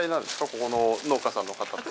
ここの農家さんの方と。